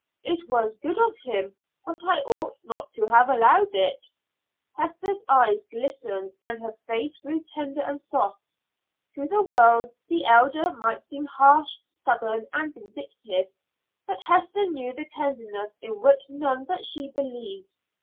"It was good of him, but I ought not to have allowed it." Hester's eyes glistened and her face grew tender and soft. To the world, the Elder might seem harsh, stubborn, and vindictive, but Hester knew the tenderness in which none but she believed.